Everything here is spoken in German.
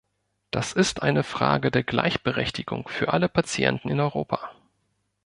Das ist eine Frage der Gleichberechtigung für alle Patienten in Europa.